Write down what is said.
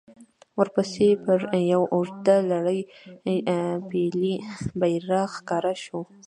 ورپسې پر يوه اوږده لکړه پېيلی بيرغ ښکاره شو.